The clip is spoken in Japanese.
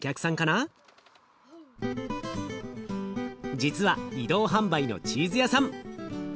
実は移動販売のチーズ屋さん。